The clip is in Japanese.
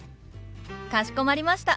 かしこまりました。